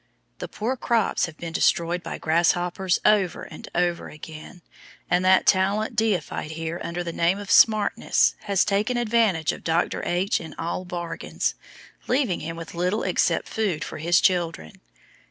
The poor crops have been destroyed by grasshoppers over and over again, and that talent deified here under the name of "smartness" has taken advantage of Dr. H. in all bargains, leaving him with little except food for his children.